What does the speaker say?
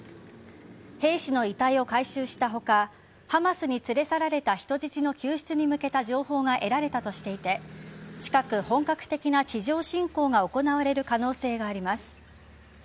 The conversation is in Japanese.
兵士の遺体を回収した他ハマスに連れ去られた人質の救出に向けた情報が得られたとしていて近く本格的な地上侵攻が行われる可能性があります。